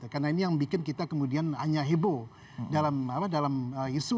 karena ini yang bikin kita kemudian hanya heboh dalam isu